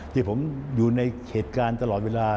ที่ผมอยู่ในเหตุการณ์ตลอดเวลา